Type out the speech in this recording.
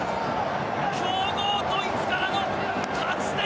強豪ドイツからの勝ち点３。